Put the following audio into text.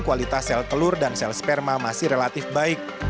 kualitas sel telur dan sel sperma masih relatif baik